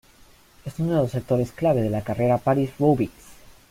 Es uno de los sectores clave de la carrera París-Roubaix.